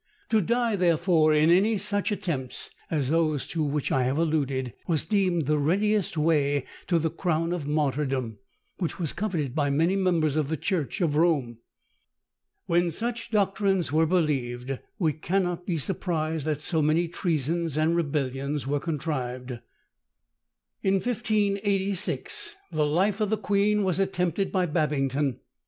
To die, therefore, in any such attempts, as those to which I have alluded, was deemed the readiest way to the crown of martyrdom, which was coveted by many members of the church of Rome. When such doctrines were believed, we cannot be surprised that so many treasons and rebellions were contrived. In 1586 the life of the queen was attempted by Babington.